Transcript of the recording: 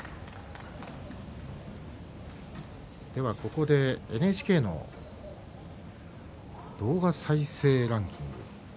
ここでＮＨＫの動画再生ランキング。